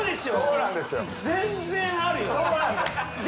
全然あるよじゃ